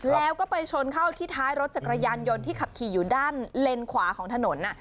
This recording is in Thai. แล้วก็ไปชนเข้าที่ท้ายรถจักรยานยนต์ที่ขับขี่อยู่ด้านเลนขวาของถนน